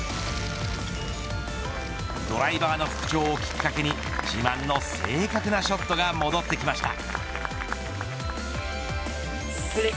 ドライバーの復調をきっかけに自慢の正確なショットが戻ってきました。